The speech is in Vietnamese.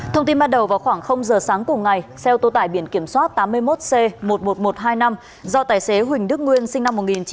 thông tin ban đầu vào khoảng giờ sáng cùng ngày xe ô tô tải biển kiểm soát tám mươi một c một mươi một nghìn một trăm hai mươi năm do tài xế huỳnh đức nguyên sinh năm một nghìn chín trăm tám mươi